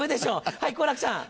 はい好楽さん！